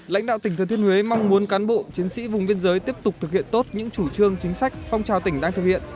lãnh đạo tỉnh thừa thiên huế mong muốn cán bộ chiến sĩ vùng biên giới tiếp tục thực hiện tốt những chủ trương chính sách phong trào tỉnh đang thực hiện